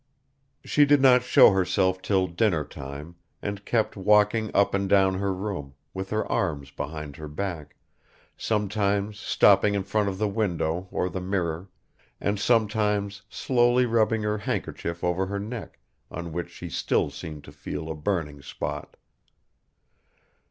She did not show herself till dinnertime, and kept walking up and down her room, with her arms behind her back, sometimes stopping in front of the window or the mirror, and sometimes slowly rubbing her handkerchief over her neck, on which she still seemed to feel a burning spot.